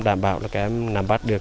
đảm bảo là các em nắm bắt được